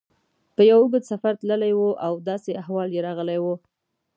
په یو اوږد سفر تللی و او داسې احوال یې راغلی و.